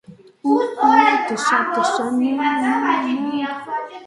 მდებარეობს კიდეგანის ქედზე.